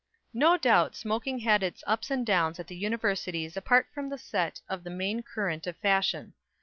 No doubt smoking had its ups and downs at the Universities apart from the set of the main current of fashion.